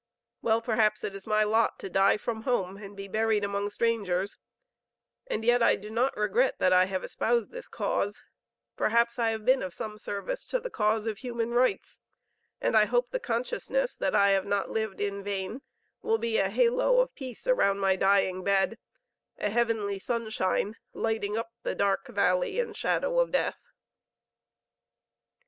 Well, perhaps it is my lot to die from home and be buried among strangers; and yet I do not regret that I have espoused this cause; perhaps I have been of some service to the cause of human rights, and I hope the consciousness that I have not lived in vain, will be a halo of peace around my dying bed; a heavenly sunshine lighting up the dark valley and shadow of death."